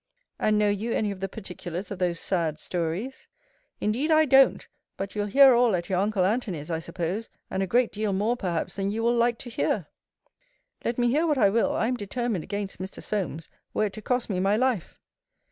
And know you any of the particulars of those sad stories? Indeed I don't; but you'll hear all at your uncle Antony's, I suppose; and a great deal more perhaps than you will like to hear. Let me hear what I will, I am determined against Mr. Solmes, were it to cost me my life.